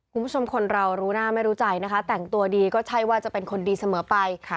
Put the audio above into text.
คุณผู้ชมคนเรารู้หน้าไม่รู้ใจนะคะแต่งตัวดีก็ใช่ว่าจะเป็นคนดีเสมอไป